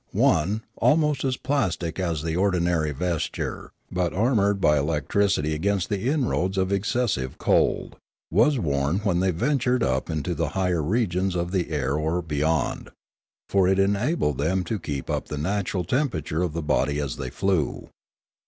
One, almost as plastic as the ordinary vesture, but armoured by electricity against the inroads of excessive cold, was worn when they ventured up into the higher regions of the air or beyond; for it enabled them to keep up the natural temperature of the body as they flew.